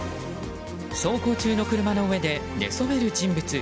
走行中の車の上で寝そべる人物。